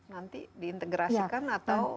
nanti diintegrasikan atau